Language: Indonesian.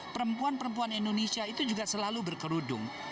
perempuan perempuan indonesia itu juga selalu berkerudung